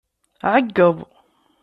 Ɛeggeḍ.